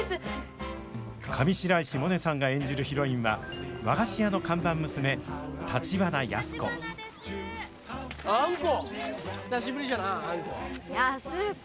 上白石萌音さんが演じるヒロインは和菓子屋の看板娘橘安子久しぶりじゃなあんこ。